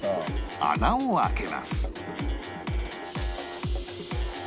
穴を開けます